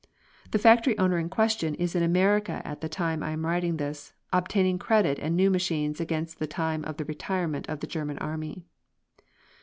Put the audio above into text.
The factory owner in question is in America at the time I am writing this, obtaining credit and new machines against the time of the retirement of the German Army.